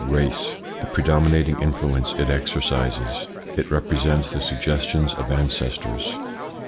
RACE. The predominating influence it exercises It represents the suggestions of ancestors.